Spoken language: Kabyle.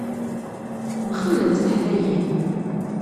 Mxellent teḥdayin.